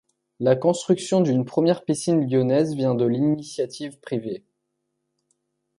La construction d'une première piscine lyonnaise vient de l'initiative privée.